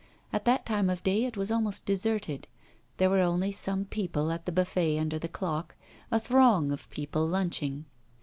At that time of day it was almost deserted; there were only some people at the buffet under the clock, a throng of people lunching.